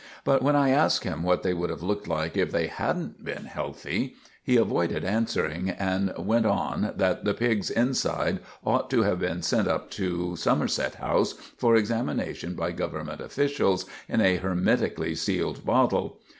But when I asked him what they would have looked like if they hadn't been healthy, he avoided answering, and went on that the pig's inside ought to have been sent up to Somerset House, for examination by Government officials, in a hermetically sealed bottle.